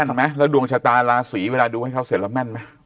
แม่นมั้ยแล้วดวงชะตาราศรีเวลาดูให้เขาเสร็จแล้วแม่นมั้ย